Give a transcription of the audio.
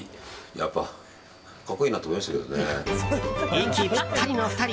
息ぴったりの２人。